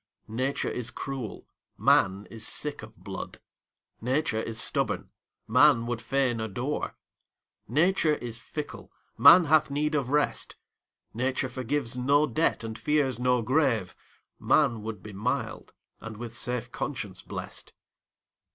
Nature is cruel, man is sick of blood; Nature is stubborn, man would fain adore; Nature is fickle, man hath need of rest; Nature forgives no debt, and fears no grave; Man would be mild, and with safe conscience blest.